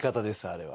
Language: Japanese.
あれは。